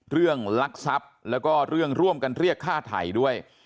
ลักทรัพย์แล้วก็เรื่องร่วมกันเรียกฆ่าไทยด้วย